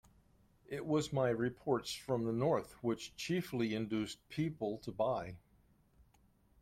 It was my reports from the north which chiefly induced people to buy.